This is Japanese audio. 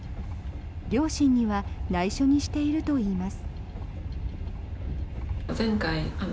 両親には内緒にしているといいます。